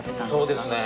そうですね。